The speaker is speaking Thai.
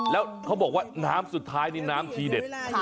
แล้วเขาบอกว่าน้ำสุดท้ายนี่น้ำทีเด็ด